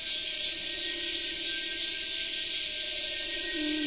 うん。